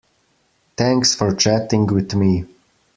Thanks for chatting with me.